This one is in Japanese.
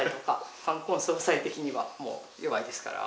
冠婚葬祭的にはもう弱いですから。